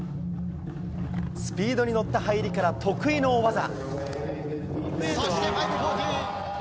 スピードに乗った入りから得そして、５４０！